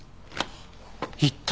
言った。